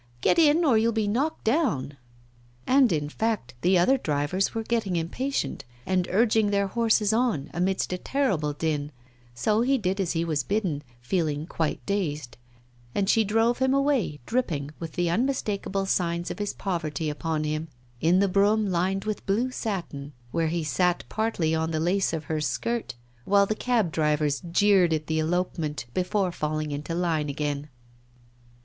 'Get in, or you'll be knocked down.' And, in fact, the other drivers were getting impatient, and urging their horses on, amidst a terrible din, so he did as he was bidden, feeling quite dazed; and she drove him away, dripping, with the unmistakable signs of his poverty upon him, in the brougham lined with blue satin, where he sat partly on the lace of her skirt, while the cabdrivers jeered at the elopement before falling into line again.